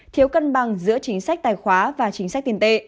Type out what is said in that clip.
thiếu cân bằng giữa chính sách tài khoá và chính sách tiền tệ